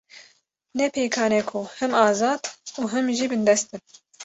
Ne pêkan e ku him azad û him jî bindest bin